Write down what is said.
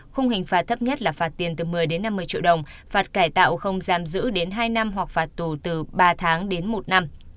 khung hình phạt thấp nhất là phạt tiền từ một mươi đến năm mươi triệu đồng phạt cải tạo không giam giữ đến hai năm hoặc phạt tù từ ba tháng đến một năm